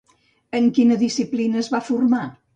En quina disciplina es va formar?